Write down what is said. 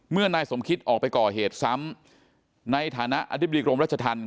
นายสมคิตออกไปก่อเหตุซ้ำในฐานะอธิบดีกรมรัชธรรม